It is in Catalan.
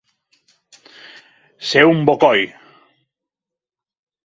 Ser un bocoi.